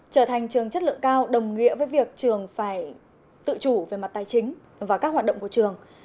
trở thành trường chất lượng cao đồng nghĩa với việc trường phải tự chủ về mặt tài chính và các hoạt động của trường